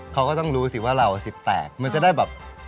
เขาก็ต้องรู้สิว่าเรา๑๘มันจะได้แบบ